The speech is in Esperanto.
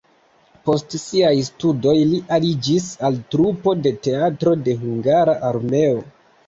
Post siaj studoj li aliĝis al trupo de Teatro de Hungara Armeo.